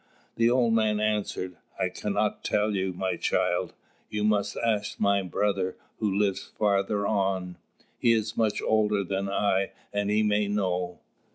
The old man answered: "I cannot tell you, my child. You must ask my brother who lives farther on. He is much older than I, and he may know.